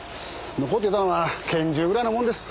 残っていたのは拳銃ぐらいのもんです。